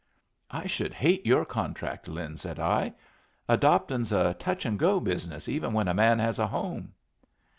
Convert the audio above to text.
"I should hate your contract, Lin," said I. "Adopting's a touch and go business even when a man has a home."